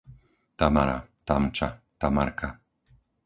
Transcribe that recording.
Tamara, Tamča, Tamarka